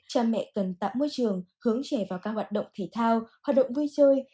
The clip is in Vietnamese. cha mẹ cần tạo môi trường hướng trẻ vào các hoạt động thể thao hoạt động vui chơi